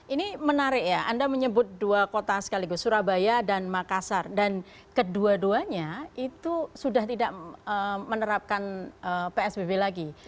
ini menarik ya anda menyebut dua kota sekaligus surabaya dan makassar dan kedua duanya itu sudah tidak menerapkan psbb lagi